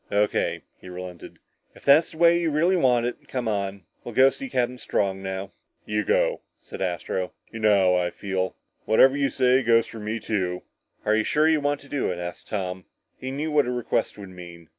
"O.K.," he relented, "if that's the way you really want it. Come on. We'll go see Captain Strong now." "You go," said Astro. "You know how I feel. Whatever you say goes for me too." "Are you sure you want to do it?" asked Tom. He knew what such a request would mean.